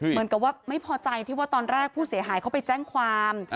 เหมือนกับว่าไม่พอใจที่ว่าตอนแรกผู้เสียหายเขาไปแจ้งความ